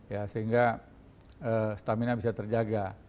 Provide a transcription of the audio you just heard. ya sehingga stamina bisa terjaga